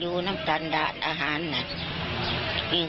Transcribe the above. เพราะไม่เคยถามลูกสาวนะว่าไปทำธุรกิจแบบไหนอะไรยังไง